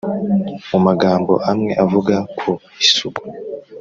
mu magambo amwe avuga ku isuku.